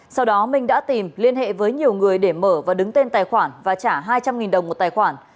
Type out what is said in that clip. sau đó minh đã tìm liên hệ với nhiều người để mở và đứng tên tài khoản và trả hai trăm linh đồng một tài khoản